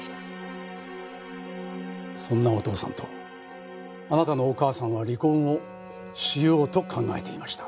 そんなお父さんとあなたのお母さんは離婚をしようと考えていました。